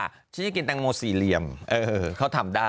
ชิคกี้พายกินตังโมสี่เหลี่ยมเขาทำได้